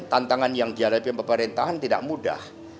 tantangan yang dihadapi pemerintahan tidak mudah